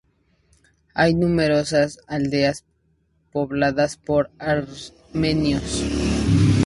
Hay numerosas aldeas pobladas por armenios.